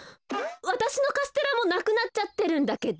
わたしのカステラもなくなっちゃってるんだけど。